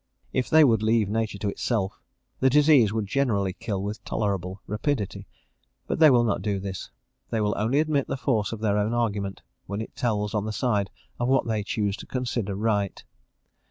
If they would leave nature to itself, the disease would generally kill with tolerable rapidity; but they will not do this. They will only admit the force of their own argument when it tells on the side of what they choose to consider right.